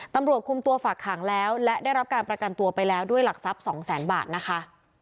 ตำรวจคุมตัวฝากขังแล้วและได้รับการประกันตัวไปแล้วด้วยหลักทรัพย์สองแสนบาทนะคะ